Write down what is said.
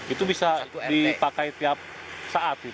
itu bisa dipakai tiap saat